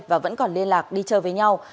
và vẫn còn liên lạc đi chờ với nhau